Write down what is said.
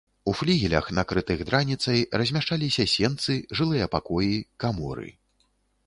У флігелях, накрытых драніцай, размяшчаліся сенцы, жылыя пакоі, каморы.